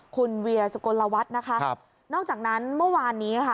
คุณเวียสุกลวัฒน์นะคะครับนอกจากนั้นเมื่อวานนี้ค่ะ